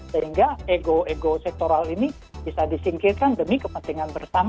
sehingga ego ego sektoral ini bisa disingkirkan demi kepentingan bersama